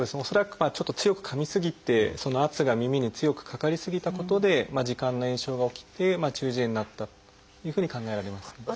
恐らくちょっと強くかみ過ぎてその圧が耳に強くかかり過ぎたことで耳管の炎症が起きて中耳炎になったというふうに考えられますね。